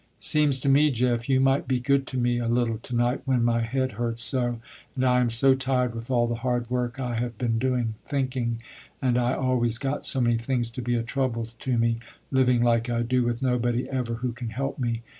"Seems to me, Jeff you might be good to me a little to night when my head hurts so, and I am so tired with all the hard work I have been doing, thinking, and I always got so many things to be a trouble to me, living like I do with nobody ever who can help me.